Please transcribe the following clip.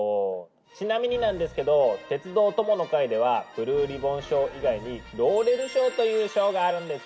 ちなみになんですけど「鉄道友の会」ではブルーリボン賞以外に「ローレル賞」という賞があるんです。